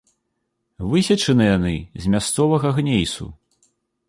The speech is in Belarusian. Высечаны яны з мясцовага гнейсу.